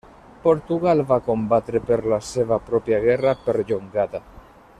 Portugal va combatre per la seva pròpia guerra perllongada.